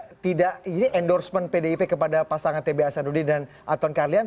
tapi tidak ini endorsement pdip kepada pasangan tba sanudin dan aton kahlian